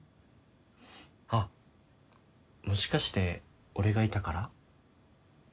あっもしかして俺がいたから？